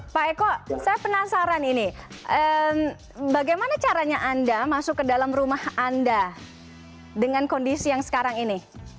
pak eko saya penasaran ini bagaimana caranya anda masuk ke dalam rumah anda dengan kondisi yang sekarang ini